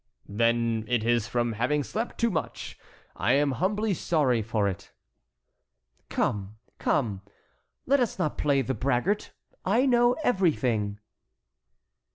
"Then it is from having slept too much. I am humbly sorry for it." "Come, come, let us not play the braggart; I know everything."